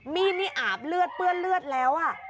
มีดนี่อาบเลือดเปื้อนเลือดแล้ว